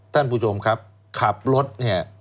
ท่านผู้ชมครับขับรถเนี่ย